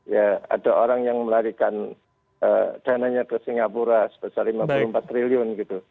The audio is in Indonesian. ya ada orang yang melarikan dananya ke singapura sebesar lima puluh empat triliun gitu